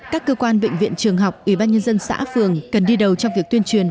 các cơ quan bệnh viện trường học ủy ban nhân dân xã phường cần đi đầu trong việc tuyên truyền